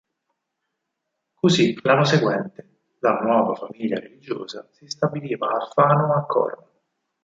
Così l'anno seguente, la nuova famiglia religiosa si stabiliva a Fano a Corno.